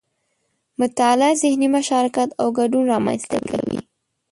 مطالعه ذهني مشارکت او ګډون رامنځته کوي